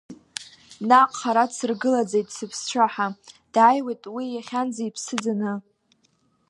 Наҟ хара дсыргылаӡеит сыԥсцәаҳа, дааиуеит уи иахьанӡа иԥсы ӡаны.